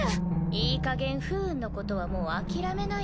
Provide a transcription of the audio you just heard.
いいかげん不運のことはもう諦めなよ。